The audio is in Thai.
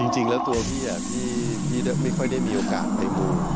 จริงแล้วตัวพี่ไม่ค่อยได้มีโอกาสไปพูด